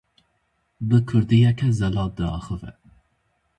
Bi kurdiyeke zelal diaxive.